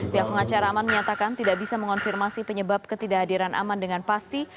pihak pengacara aman menyatakan tidak bisa mengonfirmasi penyebab ketidakhadiran aman dengan pasti